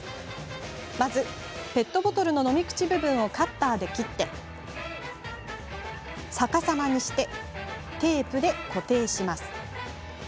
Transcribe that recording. まず、ペットボトルの飲み口部分をカッターで切って逆さまにしテープで固定します。